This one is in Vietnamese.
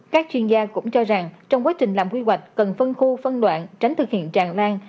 các chuyên gia cũng cho rằng trong quá trình làm quy hoạch cần phân khu phân đoạn tránh thực hiện tràn lan